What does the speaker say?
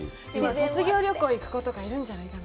卒業旅行で行く子とか、いるんじゃないかな。